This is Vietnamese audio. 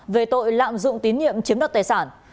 về tội lạm dụng tín nhiệm chiếm đoạt tài sản